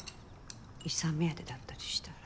遺産目当てだったりしたら。